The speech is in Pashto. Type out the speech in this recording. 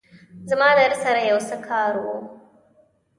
زما درسره يو څه کار وو